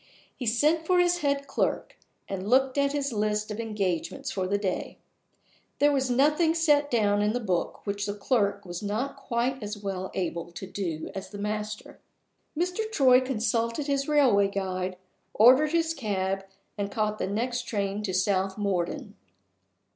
He sent for his head clerk, and looked at his list of engagements for the day. There was nothing set down in the book which the clerk was not quite as well able to do as the master. Mr. Troy consulted his railway guide, ordered his cab, and caught the next train to South Morden.